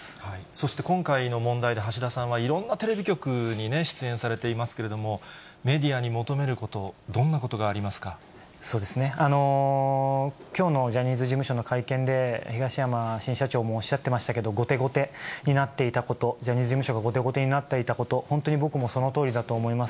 そして今回の問題で、橋田さんは、いろんなテレビ局に出演されていますけれども、メディアに求めること、そうですね、きょうのジャニーズ事務所の会見で、東山新社長もおっしゃってましたけど、後手後手になっていたこと、ジャニーズ事務所が後手後手になっていたこと、本当に僕もそのとおりだと思います。